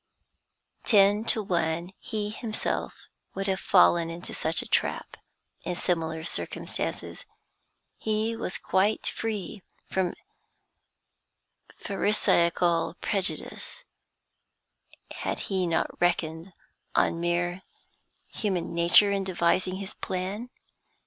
Ten to one he himself would have fallen into such a trap, in similar circumstances; he was quite free from pharisaical prejudice; had he not reckoned on mere human nature in devising his plan?